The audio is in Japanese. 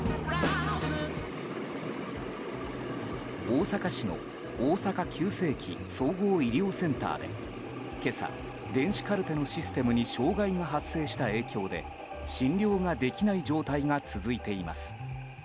大阪市の大阪急性期・総合医療センターで今朝、電子カルテのシステムに障害が発生した影響で診療ができない状態が続いています。